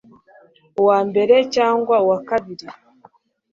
uwambere cyangwa uwa kabiri